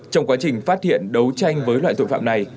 trong quá trình phát hiện đấu tranh với loại tội phạm này